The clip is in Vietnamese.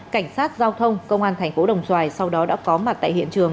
cảnh sát giao thông công an tp đồng xoài sau đó đã có mặt tại hiện trường